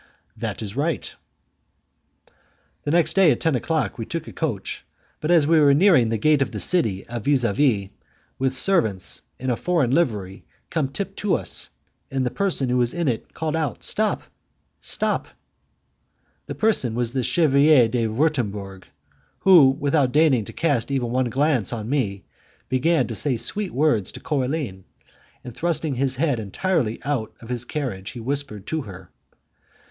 "That is right." The next day at ten o'clock we took a coach, but as we were nearing the gate of the city a vis a vis, with servants in a foreign livery came up to us, and the person who was in it called out, "Stop! Stop!" The person was the Chevalier de Wurtemburg, who, without deigning to cast even one glance on me, began to say sweet words to Coraline, and thrusting his head entirely out of his carriage he whispered to her.